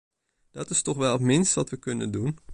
Dat is toch wel het minste wat we kunnen doen.